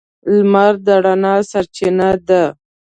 • لمر د رڼا سرچینه ده.